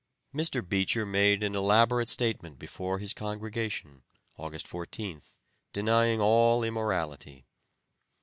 Mr. Beecher made an elaborate statement before his congregation, August 14th, denying all immorality.